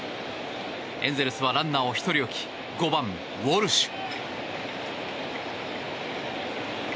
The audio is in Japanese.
エンゼルスはランナーを１人置き５番、ウォルシュ。